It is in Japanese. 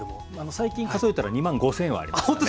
最近数えたら２万５，０００はありましたね。